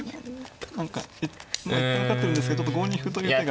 何か一旦受かってるんですけどちょっと５二歩という手が。